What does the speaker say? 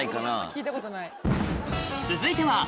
聞いたことない。